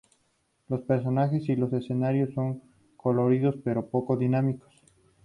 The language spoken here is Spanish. Los personajes y los escenarios son coloridos pero poco dinámicos.